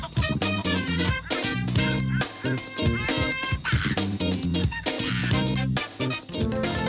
โปรดติดตามตอนต่อไป